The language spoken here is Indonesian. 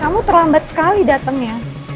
kamu terlambat sekali datangnya